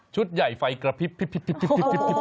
ชุดใหญ่ไฟกระพิบพิบพิบ